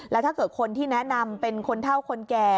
แล้วถ้าเกิดคนที่แนะนำเป็นคนเท่าคนแก่